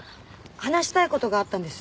話したい事があったんです。